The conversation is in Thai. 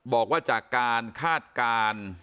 บอกว่าจากการคาดการณ์